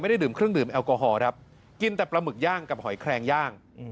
ดื่มเครื่องดื่มแอลกอฮอล์ครับกินแต่ปลาหมึกย่างกับหอยแคลงย่าง